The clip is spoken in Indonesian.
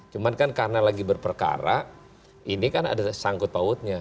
cuma kan karena lagi berperkara ini kan ada sangkut pautnya